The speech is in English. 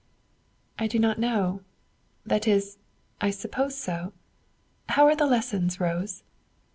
"I do not know, that is, I suppose so. How are the lessons, Rose?"